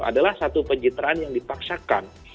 adalah satu pencitraan yang dipaksakan